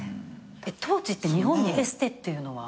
当時って日本にエステっていうのは。